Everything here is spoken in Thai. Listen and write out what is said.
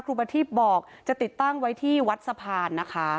ประทีบบอกจะติดตั้งไว้ที่วัดสะพานนะคะ